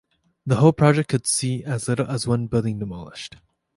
The whole project could see as little as one building demolished.